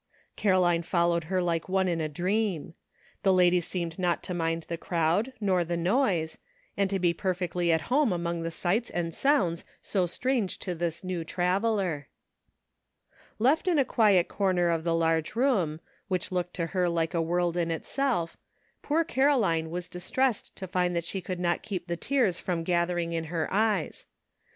Caroline followed her like one in a dream. The lady seemed not to mind the crowd nor the noise, and to be perfectly at home among the sights and sounds so strange to this new traveler. Left in a quiet corner of the large room, which looked to her like a world in itself, poor Caro line was distressed to find that she could not keep the tears from gathering in her eyes.